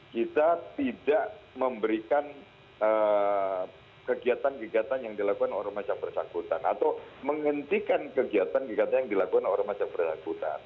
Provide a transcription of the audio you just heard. kita tidak memberikan kegiatan kegiatan yang dilakukan orang masyarakat yang berlakukan atau menghentikan kegiatan kegiatan yang dilakukan orang masyarakat yang berlakukan